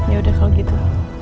ya sudah kalau gitu